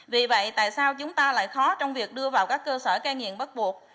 vì vậy tại sao chúng ta lại khó trong việc đưa vào các cơ sở cai nghiện bắt buộc